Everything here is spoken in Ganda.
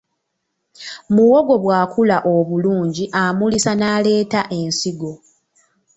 Muwogo bw'akula obulungi, amulisa n'aleeta ensigo.